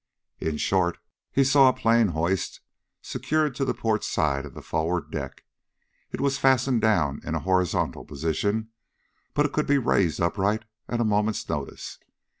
In short, he saw a plane hoist secured to the port side of the forward deck. It was fastened down in a horizontal position, but it could be raised upright at a moment's notice.